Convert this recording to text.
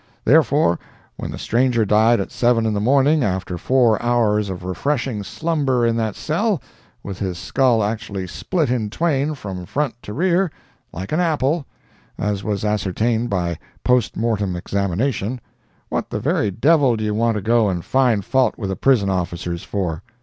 Therefore, when the stranger died at 7 in the morning, after four hours of refreshing slumber in that cell, with his skull actually split in twain from front to rear, like an apple, as was ascertained by post mortem examination, what the very devil do you want to go and find fault with the prison officers for?